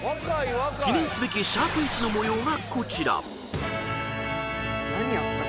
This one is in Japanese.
［記念すべきシャープ１の模様がこちら！］